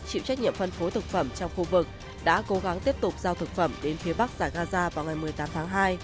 chịu trách nhiệm phân phối thực phẩm trong khu vực đã cố gắng tiếp tục giao thực phẩm đến phía bắc giải gaza vào ngày một mươi tám tháng hai